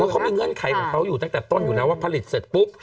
เขามีเงื่อนไขของเขาอยู่ตั้งแต่ต้นอยู่แล้วว่าผลิตเสร็จปุ๊บ